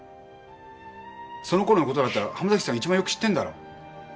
そのころのことだったら濱崎さんいちばんよく知ってんだろ？